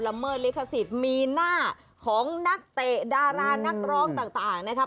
เมิดลิขสิทธิ์มีหน้าของนักเตะดารานักร้องต่างนะครับ